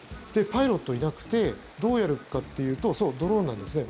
パイロットいなくてどうやるかというとそう、ドローンなんですね。